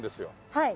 はい。